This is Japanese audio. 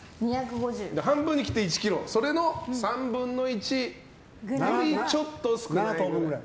半分に切って１ｋｇそれの３分の１よりちょっと少ないぐらい。